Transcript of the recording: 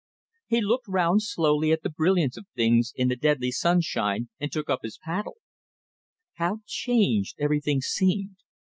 He looked round slowly at the brilliance of things in the deadly sunshine and took up his paddle! How changed everything seemed!